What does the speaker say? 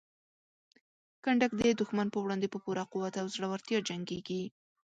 کنډک د دښمن په وړاندې په پوره قوت او زړورتیا جنګیږي.